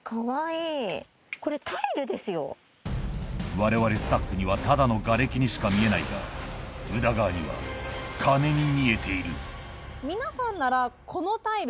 われわれスタッフにはただのがれきにしか見えないが宇田川には金に見えているタイル？